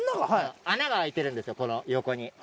穴が開いてるんですよ、この横に。